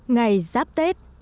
ngày giáp tết